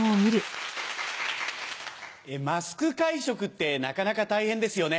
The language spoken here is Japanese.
マスク会食ってなかなか大変ですよね。